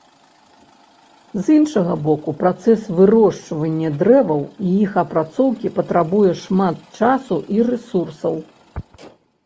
З іншага боку, працэс вырошчвання дрэваў і іх апрацоўкі патрабуе шмат часу і рэсурсаў.